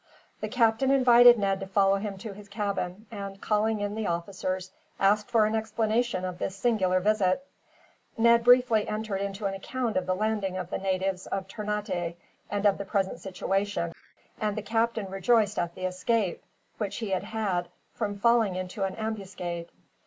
The captain invited Ned to follow him to his cabin and, calling in the officers, asked for an explanation of this singular visit. Ned briefly entered into an account of the landing of the natives of Ternate, and of the present situation; and the captain rejoiced at the escape, which he had had, from falling into an ambuscade.